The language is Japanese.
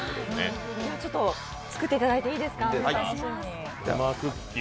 作っていただいていいですか。